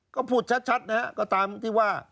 ก็พูดชัดนะฮะก็ตามที่ว่า